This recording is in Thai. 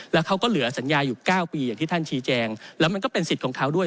แล้วเขาก็เหลือสัญญาอยู่๙ปีอย่างที่ท่านชี้แจงแล้วมันก็เป็นสิทธิ์ของเขาด้วย